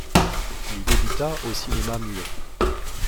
Il débuta au cinéma muet.